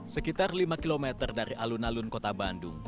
sekitar lima km dari alun alun kota bandung